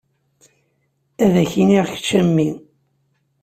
Ad k-iniɣ kečč a mmi.